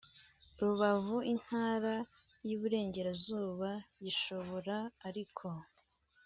Rubavu intara y iburengerazuba gishobora ariko